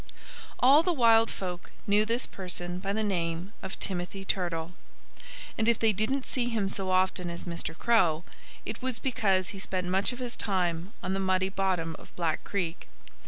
All the wild folk knew this person by the name of Timothy Turtle. And if they didn't see him so often as Mr. Crow it was because he spent much of his time on the muddy bottom of Black Creek.